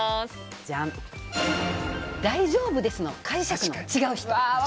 「大丈夫です」の解釈の違う人。